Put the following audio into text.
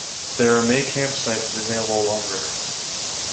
There are may camp sites available along the river.